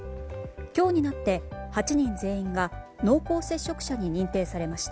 今日になって８人全員が濃厚接触者に認定されました。